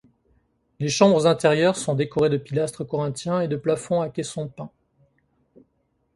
Les chambres intérieures sont décorées de pilastres corinthiens et de plafonds à caissons peints.